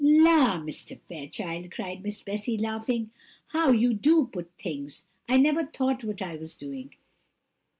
"La! Mr. Fairchild," cried Miss Bessy, laughing, "how you do put things! I never thought what I was doing.